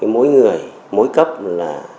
mỗi người mỗi cấp là